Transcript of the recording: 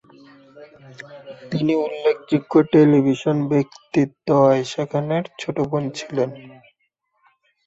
তিনি উল্লেখযোগ্য টেলিভিশন ব্যক্তিত্ব আয়েশা খানের ছোট বোন ছিলেন।